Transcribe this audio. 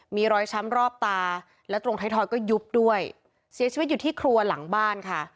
มีรอยช้ำรอบตาและตรงไทยทอยก็ยุบด้วยเสียชีวิตอยู่ที่ครัวหลังบ้านค่ะ